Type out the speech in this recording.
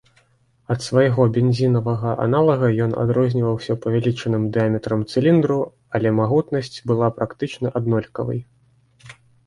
Ад свайго бензінавага аналага ён адрозніваўся павялічаным дыяметрам цыліндру, але магутнасць была практычна аднолькавай.